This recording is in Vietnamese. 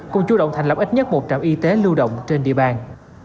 cùng chú động thành lập ít nhất một trạm y tế lưu động trên địa bàn